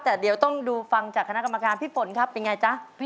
แต่เดี๋ยวต้องดูฟังจากคณะกรรมการพี่ฝนครับเป็นไงจ๊ะ